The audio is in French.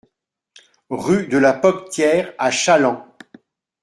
Rue de la Poctière à Challans